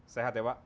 sehat ya pak